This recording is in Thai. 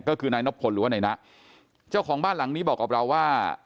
ก็คือนายนบพลหรือว่านายนะเจ้าของบ้านหลังนี้บอกกับเราว่า